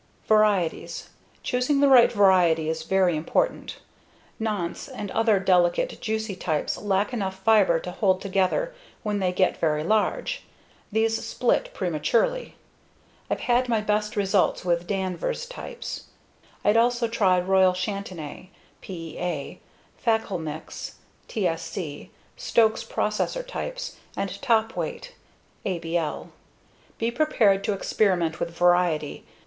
Varieties: Choosing the right variety is very important. Nantes and other delicate, juicy types lack enough fiber to hold together when they get very large. These split prematurely. I've had my best results with Danvers types. I'd also try Royal Chantenay (PEA), Fakkel Mix (TSC), Stokes "Processor" types, and Topweight (ABL). Be prepared to experiment with variety.